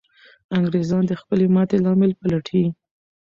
انګریزان د خپلې ماتې لامل پلټي.